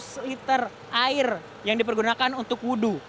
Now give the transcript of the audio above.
seter air yang dipergunakan untuk wudhu